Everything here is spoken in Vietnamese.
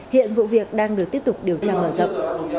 hiện vụ việc đang được tiếp tục điều tra mở rộng